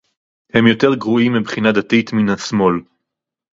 הם יותר גרועים מבחינה דתית מן השמאל